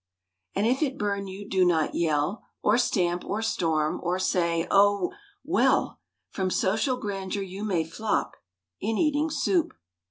And if it burn you do not yell, Or stamp or storm or say "Oh!——well!"— From social grandeur you may flop In eating soup.